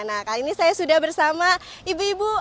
nah kali ini saya sudah bersama ibu ibu